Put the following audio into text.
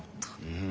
うん。